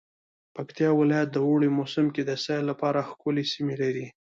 پکتيا ولايت د اوړی موسم کی د سیل لپاره ښکلی سیمې لری